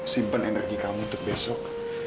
simpan energi kamu untuk besok